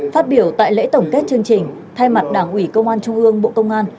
phát biểu tại lễ tổng kết chương trình thay mặt đảng ủy công an trung ương bộ công an